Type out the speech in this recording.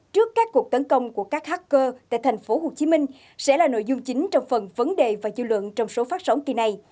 trước các cuộc tấn công của các hacker tại tp hcm sẽ là nội dung chính trong phần vấn đề và dư luận trong số phát sóng kỳ này